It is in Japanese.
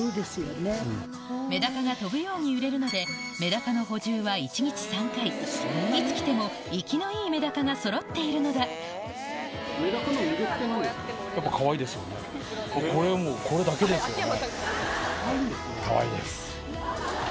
メダカが飛ぶように売れるのでメダカの補充はいつ来ても生きのいいメダカがそろっているのだこれはもうこれだけですよね。